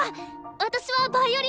私はヴァイオリン。